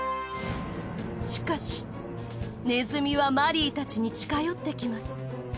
しかしネズミはマリーたちに近寄ってきます